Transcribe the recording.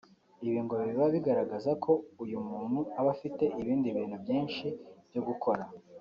Ibi ngo biba bigaragaza ko uyu muntu aba afite ibindi bintu byinshi byo gukora